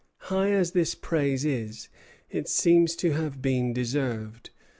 High as this praise is, it seems to have been deserved.